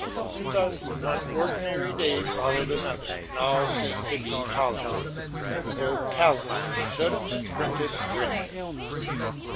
And thus one ordinary day fol lowed another, and all seemed to be holidays, —the whole calendar should have been printed red.